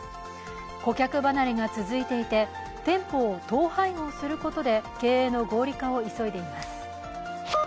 顧客離れが続いていて、店舗を統廃合することで経営の合理化を急いでいます。